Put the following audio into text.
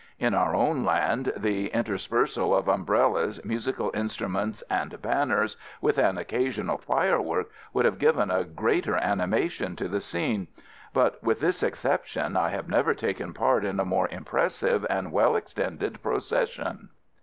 In our own land the interspersal of umbrellas, musical instruments, and banners, with an occasional firework, would have given a greater animation to the scene; but with this exception I have never taken part in a more impressive and well extended procession.